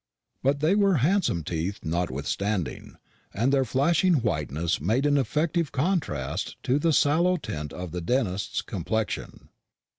But they were handsome teeth notwithstanding, and their flashing whiteness made an effective contrast to the clear sallow tint of the dentist's complexion.